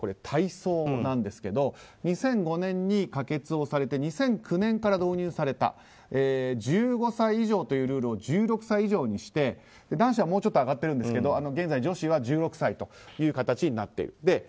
体操なんですが２００５年に可決をされて２００９年から導入された１５歳以上というルールを１６歳以上にして男子はもうちょっと上がっているんですが現在、女子は１６歳という形になっています。